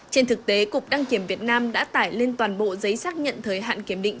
trên thực tế cục đăng kiểm việt nam đã tải lên toàn bộ giấy xác nhận thời hạn kiểm định